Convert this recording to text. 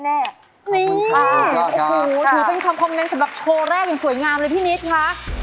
นี่โอ้โหถือเป็นคำคอมเมนต์สำหรับโชว์แรกอย่างสวยงามเลยพี่นิดค่ะ